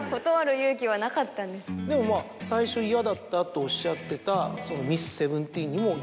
でもまぁ最初嫌だったとおっしゃってた。